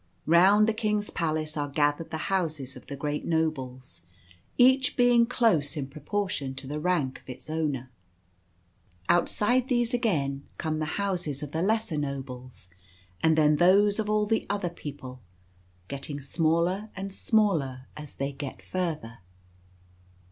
Round the King's palace are gathered the houses of the great nobles, each being close in proportion to the rank of its owner. Outside these again come the houses of the lesser nobles ; and then those of all the other people, getting smaller and smaller as they get further.